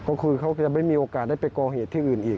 ก็คือเขาก็จะไม่มีโอกาสได้ไปก่อเหตุที่อื่นอีก